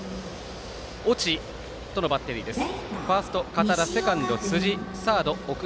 越智とのバッテリーです。